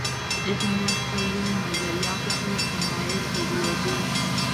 ابن القیم نظریاتو ته تمایل درلود